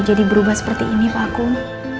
jadi berubah seperti ini pak kum